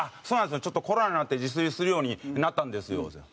「そうなんですよちょっとコロナになって自炊するようになったんですよ」。